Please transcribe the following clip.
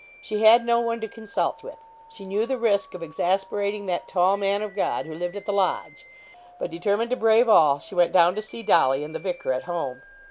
She had no one to consult with; she knew the risk of exasperating that tall man of God, who lived at the Lodge. But, determined to brave all, she went down to see Dolly and the vicar at home.